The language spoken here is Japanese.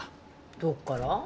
どこから？